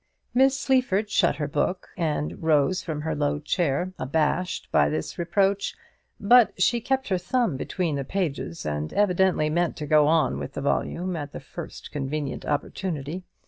Miss Sleaford shut her book and rose from her low chair, abashed by this reproach; but she kept her thumb between the pages, and evidently meant to go on with the volume at the first convenient opportunity.